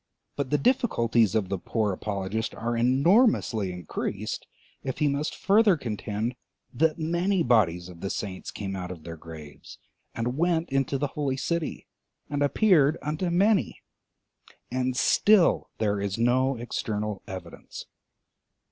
But the difficulties of the poor apologist are enormously increased if he must further contend that many bodies of the saints came out of their graves, and went into the holy city, and appeared unto many, and still there is no external evidence.